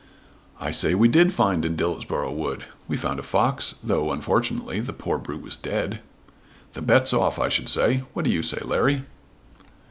"I say we did find in Dillsborough Wood. We found a fox though unfortunately the poor brute was dead." "The bet's off I should say. What do you say, Larry?"